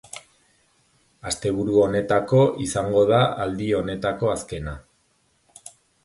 Asteburu honetako izango da aldi honetako azkena.